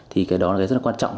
thì cái đó là cái rất là quan trọng